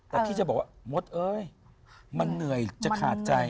แต่พี่จะบอกว่ามดเอ้ยมันเหนื่อยจะขาดใจ